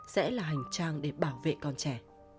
sẽ là hành trang để bảo vệ con trẻ